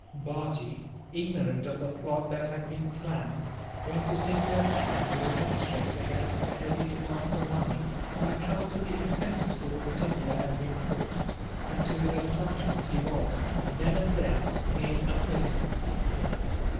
Bajee, ignorant of the plot that had been planned, went to Scindia's camp to remonstrate against a heavy demand for money, on account of the expenses to which Scindia had been put; and to his astonishment he was, then and there, made a prisoner.